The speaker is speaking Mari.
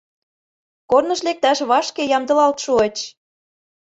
Корныш лекташ вашке ямдылалт шуыч.